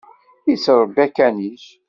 Yettṛebbi akanic.